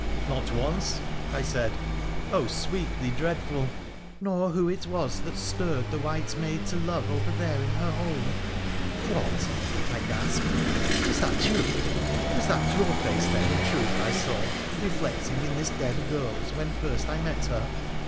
' Not once,' I said, ' sweetly dreadful !'' Nor who it was that stirred the white maid to love over there in her home ?'' What !' I gasped. ' Was that you? — was that your face, then, in truth I saw, reflecting in this dead girl's when first I met her